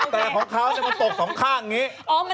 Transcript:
แต่ของเขามันตกสองข้างอย่างนี้